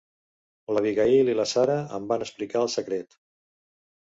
L'Abigail i la Sara em van explicar el secret.